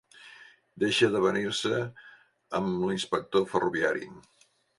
Deixa d'avenir-se amb l'inspector ferroviari.